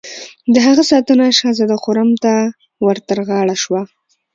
د هغه ساتنه شهزاده خرم ته ور تر غاړه شوه.